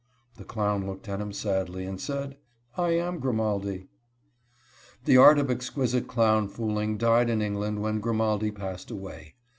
The clown looked at him sadly, and replied: "I am Grimaldi." The art of exquisite clown fooling died in England when Grimaldi passed away.